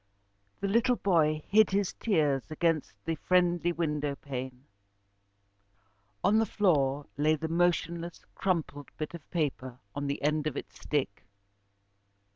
The little boy hid his tears against the friendly window pane. On the floor lay the motionless, crumpled bit of paper on the end of its stick.